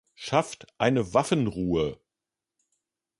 Schafft eine Waffenruhe!